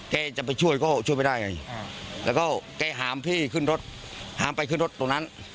จะไปช่วยก็ช่วยไม่ได้ไงแล้วก็แกหามพี่ขึ้นรถหามไปขึ้นรถตรงนั้น